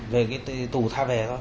về cái tù tha vẻ thôi